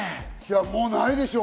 もうないでしょう。